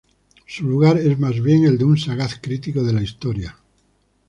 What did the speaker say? Su lugar es más bien el de un sagaz crítico de la historia.